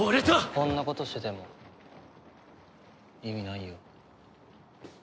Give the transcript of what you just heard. こんなことしてても意味ないよ。